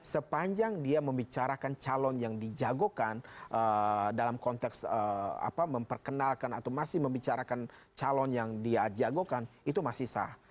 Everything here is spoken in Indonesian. sepanjang dia membicarakan calon yang dijagokan dalam konteks memperkenalkan atau masih membicarakan calon yang dia jagokan itu masih sah